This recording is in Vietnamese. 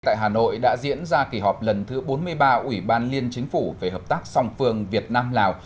tại hà nội đã diễn ra kỳ họp lần thứ bốn mươi ba ủy ban liên chính phủ về hợp tác song phương việt nam lào